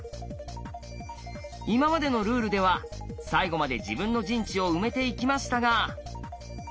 今までのルールでは最後まで自分の陣地を埋めていきましたが。